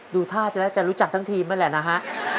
ดูท่าจะแล้วจะรู้จักทั้งทีมนั่นแหละนะฮะ